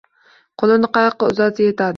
Qo`lini qayoqqa uzatsa, etadi